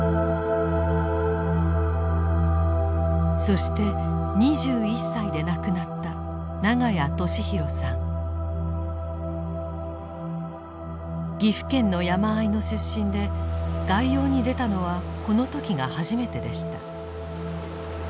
そして２１歳で亡くなった岐阜県の山あいの出身で外洋に出たのはこの時が初めてでした。